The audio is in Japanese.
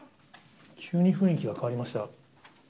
急に雰囲気が変わりました。